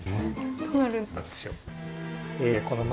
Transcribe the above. どうなるんですかね？